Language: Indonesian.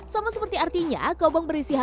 sama seperti artinya kobong berisi harga